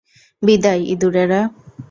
বিদায়, ইঁদুরেরা।